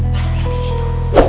pasti ada disitu